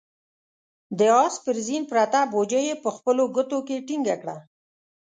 د آس پر زين پرته بوجۍ يې په خپلو ګوتو کې ټينګه کړه.